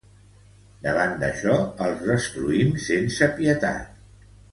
Davant d'això, els destruïm sense pietat.